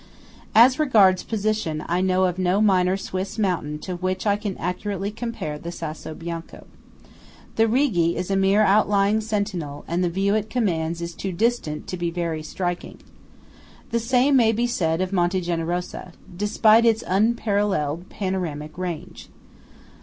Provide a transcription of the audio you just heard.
As regards position, I know of no minor Swiss mountain to which I can accurately compare the Sasso Bianco. The Rigi is a mere outlying sentinel, and the view it commands is too distant to be very striking. The same may be said of Monte Generosa, despite its unparalleled panoramic range.